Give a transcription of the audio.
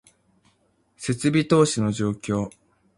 設備投資の状況